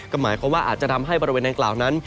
ก็หมายความว่าอาจจะทำให้บริเวณดังกล่าวนั้น